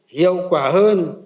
hiệu quả hơn